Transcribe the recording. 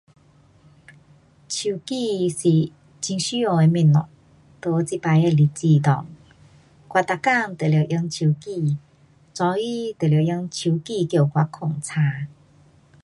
手机是很需要的东西，在这次的日子内，我每天都得用手机。早起就得用手机叫我睡醒。